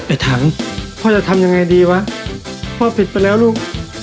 ถังพ่อจะทำยังไงดีวะพ่อปิดไปแล้วลูก